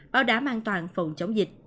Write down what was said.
báo đảm an toàn phòng chống dịch